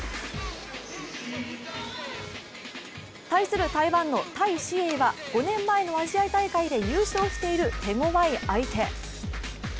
対する台湾の戴資穎は５年前のアジア大会で優勝している手強い相手。